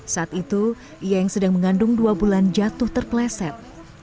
saat itu ia yang sedang mengandung dua bulan jatuh terpleset